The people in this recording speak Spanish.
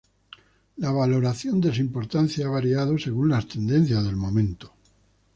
La valoración de su importancia ha variado según las tendencias del momento.